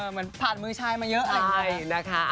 เหมือนผ่านมือชายมาเยอะ